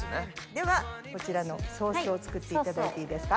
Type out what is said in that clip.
ではこちらのソースを作っていただいていいですか？